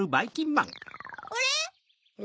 あれ？